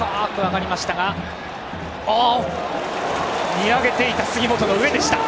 見上げていた杉本の上でした。